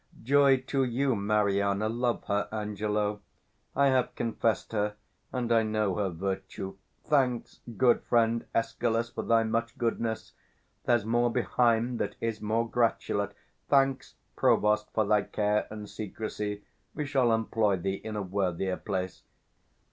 Joy to you, Mariana! Love her, Angelo: I have confess'd her, and I know her virtue. 525 Thanks, good friend Escalus, for thy much goodness: There's more behind that is more gratulate. Thanks, provost, for thy care and secrecy: We shall employ thee in a worthier place.